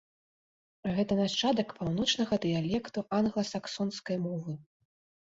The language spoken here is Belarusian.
Гэта нашчадак паўночнага дыялекту англа-саксонскай мовы.